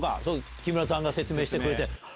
木村さんが説明してくれて。